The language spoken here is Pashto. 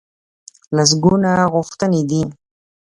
لسګونه غوښتنې دي.